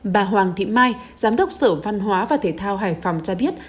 bà hoàng thị mai giám đốc sở văn hóa và thể thao hải phòng cho biết